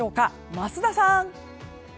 桝田さん。